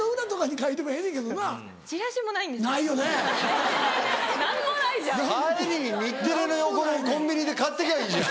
帰りに日テレの横のコンビニで買ってきゃいいじゃん。